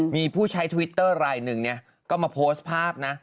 มีผู้ใช้ทวิตเตอร์รายหนึ่งเนี่ยก็มาโพสต์ภาพนะ